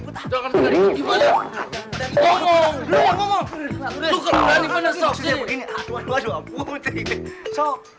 so bunuhin saja saya ah